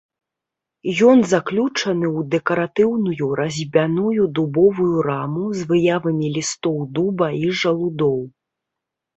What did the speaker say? Ён заключаны ў дэкаратыўную разьбяную дубовую раму з выявамі лістоў дуба і жалудоў.